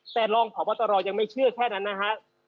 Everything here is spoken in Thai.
แต่รองพบตรยังไม่เชื่อแค่นั้นนะฮะ